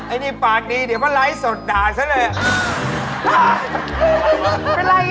ไอ้นี่ปากดีเดี๋ยวมาไล่สดด่ายซะเลย